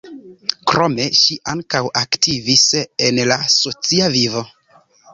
Krome ŝi ankaŭ aktivis en la socia vivo.